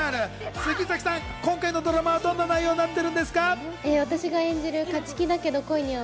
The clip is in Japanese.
杉咲さん、今回のドラマはどんな内容になってるんですか？